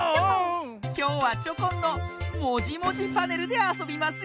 きょうはチョコンの「もじもじパネル」であそびますよ。